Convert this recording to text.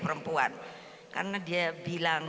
kita mau ketawa ketawa enggak nangis